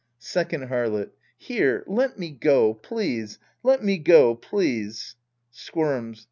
Second Harlot. Here, let me go, please. Let me go, please. {Squirms.)